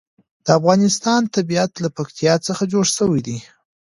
د افغانستان طبیعت له پکتیا څخه جوړ شوی دی.